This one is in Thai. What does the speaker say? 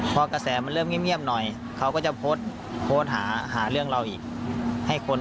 พอกระแสมันเริ่มเงียบหน่อยเขาก็จะโพสต์โพสต์หาเรื่องเราอีกให้คน